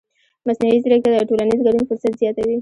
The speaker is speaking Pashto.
مصنوعي ځیرکتیا د ټولنیز ګډون فرصت زیاتوي.